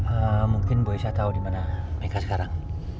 em mungkin bu isah tau dimana mika sekarang